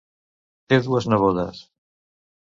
Té dues nebodes.